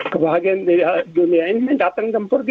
kebahagiaan di dunia ini datang dan pergi